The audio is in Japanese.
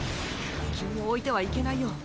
君を置いては行けないよ。